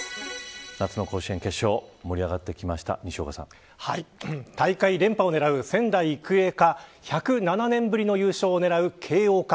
夏の甲子園決勝大会連覇を狙う、仙台育英か１０７年ぶりの優勝を狙う慶応か。